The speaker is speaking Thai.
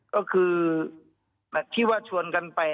ก็คือที่ว่าชวนกันไป